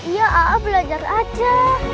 iya a'a belajar saja